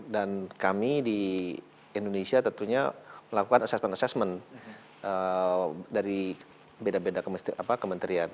dan kami di indonesia tentunya melakukan assessment assessment dari beda beda kementerian